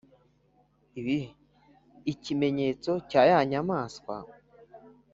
Ibh ikimenyetso cya ya nyamaswa